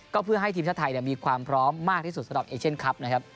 ก็เพื่อให้ทีมชาติไทยมีความพร้อมมากที่สุดสำหรับเอเชียนคลับนะครับ